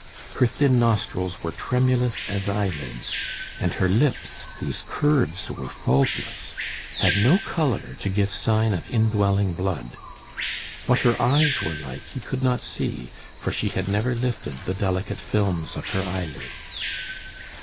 Her thin nostrils were tremulous as eyelids, and her lips, whose curves were faultless, had no colour to give sign of indwelling blood. What her eyes were like he could not see, for she had never lifted the delicate films of her eyelids.